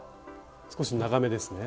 少し長めですね。